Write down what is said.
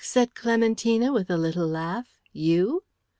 said Clementina, with a little laugh. "You!"